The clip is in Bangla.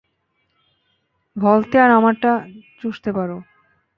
ভলতেয়ার আমারটা চুষতে পারে।